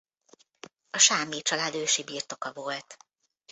A Sámé család ősi birtoka volt.